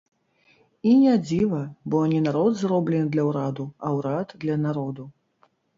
І не дзіва, бо не народ зроблены для ўраду, а ўрад для народу.